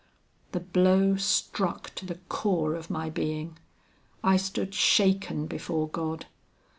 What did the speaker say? The blow struck to the core of my being. I stood shaken before God.